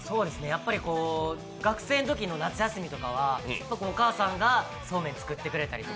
やっぱりこう学生の時の夏休みとかはお母さんがそうめん作ってくれたりとか。